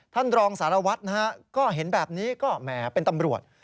ท่านรองสารวัตรนะฮะก็เห็นแบบนี้ก็แหมเป็นตำรวจ